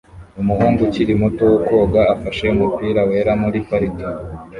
Umuhungu ukiri muto wo koga afashe umupira wera muri parike